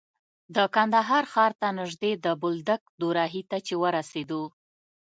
د کندهار ښار ته نژدې د بولدک دوراهي ته چې ورسېدو.